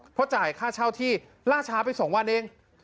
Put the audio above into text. เพราะจ่ายค่าเช่าที่ล่าช้าไป๒วันเอง